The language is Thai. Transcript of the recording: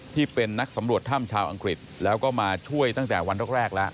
ที่เป็นนักสำรวจถ้ำชาวอังกฤษแล้วก็มาช่วยตั้งแต่วันแรกแล้ว